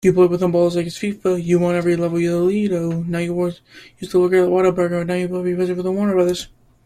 Also, at many places it was hard to leave the water.